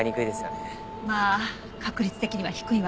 まあ確率的には低いわね。